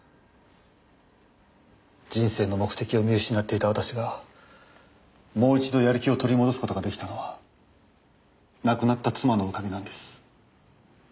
人生の目的を見失っていた私がもう一度やる気を取り戻す事が出来たのは亡くなった妻のおかげなんです。